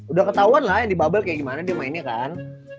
udah ketahuan lah yang di bubble kayak gimana dia mainnya kan